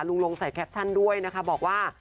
ลงใส่แคปชั่นด้วยนะคะบอกว่า